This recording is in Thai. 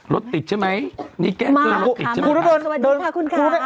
รถติดใช่ไหมนี่แกล้งโรคอิสโขดูดนถูกค่ะคุณขา